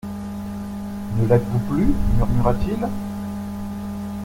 Ne l'êtes-vous plus ? murmura-t-il.